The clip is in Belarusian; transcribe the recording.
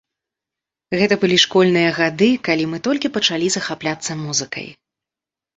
Гэта былі школьныя гады, калі мы толькі пачалі захапляцца музыкай.